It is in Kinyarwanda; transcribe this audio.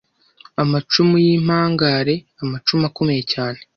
Amacumu y’impangare: Amacumu akomeye cyane.